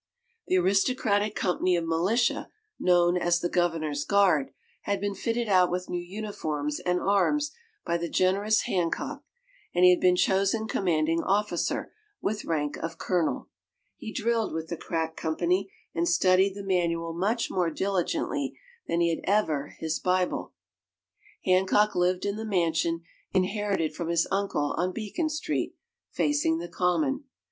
The aristocratic company of militia, known as the Governor's Guard, had been fitted out with new uniforms and arms by the generous Hancock, and he had been chosen commanding officer, with rank of Colonel. He drilled with the crack company and studied the manual much more diligently than he ever had his Bible. Hancock lived in the mansion, inherited from his uncle, on Beacon Street, facing the Common.